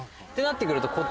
ってなって来ると